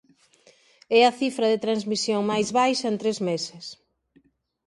É a cifra de transmisión máis baixa en tres meses.